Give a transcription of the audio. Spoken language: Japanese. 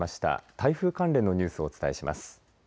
台風関連のニュースをお伝えします。